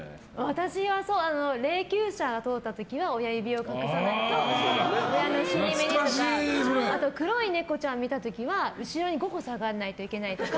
私は、霊きゅう車が通った時は親指を隠さないと親の死に目にとか。あと黒い猫ちゃん見た時は後ろに５歩下がらないといけないとか。